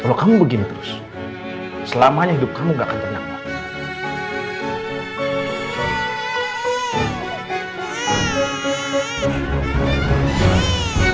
kalau kamu begini terus selamanya hidup kamu gak akan terdampak